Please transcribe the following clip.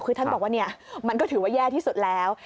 คือท่านบอกว่ามันก็ถือว่าแย่ที่สุดแล้ว